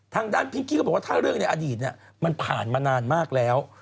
ทางด้านพิงกี้ก็บอกว่าถ้าเรื่องในอดีตมันผ่านมานานมากแล้ว